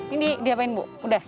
ini diapain bu udah